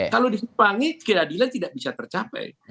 kalau dikumpangi keadilan tidak bisa tercapai